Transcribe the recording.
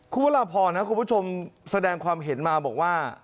คุณวราพรนะคุณผู้ชมแสดงความเห็นมาบอกว่า